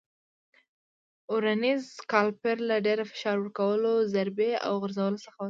ورنیز کالیپر له ډېر فشار ورکولو، ضربې او غورځولو څخه وساتئ.